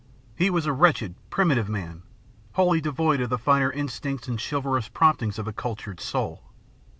He was a wretched, primitive man, wholly devoid of the finer instincts and chivalrous promptings of a cultured soul.